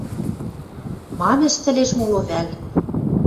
Мам ӹштӹлеш моло вӓл?